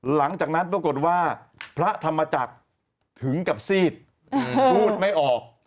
หลังจากนั้นปรากฏว่าพระธรรมจักรถึงกับซีดพูดไม่ออก